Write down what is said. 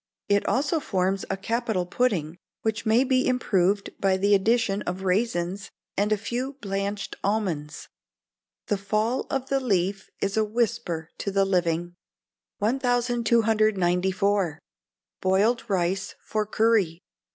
It also forms a capital pudding, which may be improved by the addition of raisins, and a few blanched almonds. [THE FALL OF THE LEAF IS A WHISPER TO THE LIVING.] 1294. Boiled Rice for Curry.